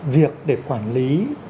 việc để quản lý